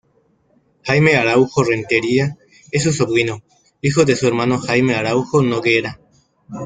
Jaime Araújo Rentería es su sobrino, hijo de su hermano Jaime Araújo Noguera.